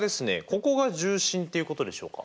ここが重心っていうことでしょうか？